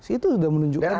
itu sudah menunjukkan bahwa